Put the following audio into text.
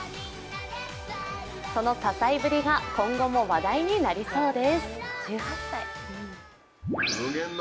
その多才ぶりが今後も話題になりそうです。